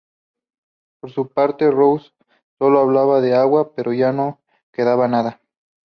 Por su parte, Rouse solo hablaba de agua, pero ya no quedaba nada.